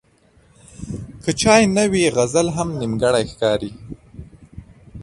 که چای نه وي، غزل هم نیمګړی ښکاري.